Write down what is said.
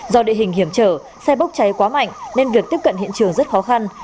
do địa hình hiểm trở xe bốc cháy quá mạnh nên việc tiếp cận hiện trường rất khó khăn